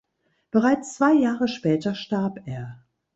Bereits zwei Jahre später starb er.